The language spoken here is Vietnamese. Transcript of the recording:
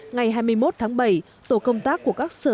ngày hai mươi một tháng bảy tổ công tác của các sở